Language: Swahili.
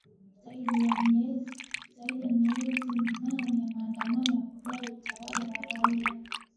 zaidi ya miezi minne ya maandamano ya kudai utawala wa kiraia